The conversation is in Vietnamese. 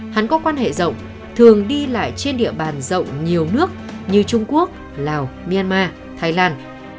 hắn có quan hệ rộng thường đi lại trên địa bàn rộng nhiều nước như trung quốc lào myanmar thái lan